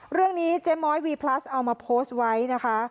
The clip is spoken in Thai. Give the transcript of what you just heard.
เรื่องนี้เจ๊ม้อยวีพลัสเอามาโพสต์ไว้นะคะ